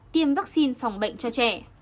sáu tiêm vaccine phòng bệnh cho trẻ